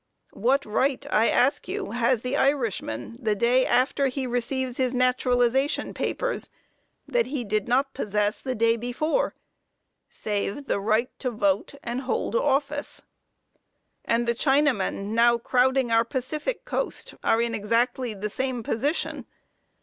What right, I ask you, has the Irishman the day after he receives his naturalization papers that he did not possess the day before, save the right to vote and hold office? And the Chinamen, now crowding our Pacific coast, are in precisely the same position.